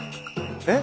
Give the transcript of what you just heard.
えっ？